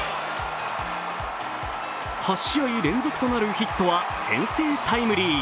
８試合連続となるヒットは先制タイムリー。